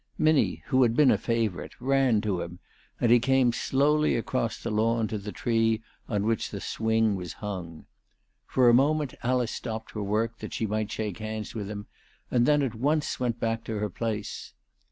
Minnie, who had been a favourite, ran to him, and he came slowly across the lawn to the tree on which the swing was hung. For a moment ALICE DUGDALE. 413 Alice stopped her work that she might shake hands with him, and then at once went back to her place.